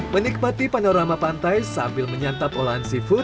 menikmati panorama pantai sambil menyantap olahan seafood